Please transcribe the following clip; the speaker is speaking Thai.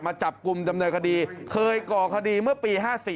จับกลุ่มดำเนินคดีเคยก่อคดีเมื่อปี๕๔